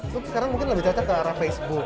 sekarang mungkin lebih ke arah facebook